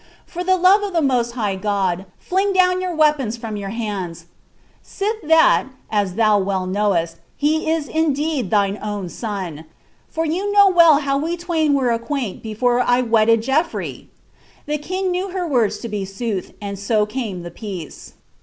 For the love of the most high God, fling down your weapons from your hands, sith that (as thou well knowest) he is indeed thine own son : for you well know how we turabi were acquaint before I wedded Geoflrey P The king knew her words to be sooth, and so came the peace."